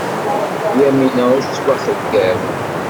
Yamina ur tettwaxeyyab.